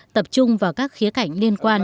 tập trung vào các khía cảnh liên quan